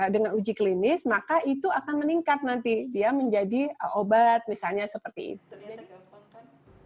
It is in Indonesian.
dengan uji klinis maka itu akan meningkat nanti dia menjadi obat misalnya seperti itu